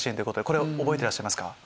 これは覚えてらっしゃいますか？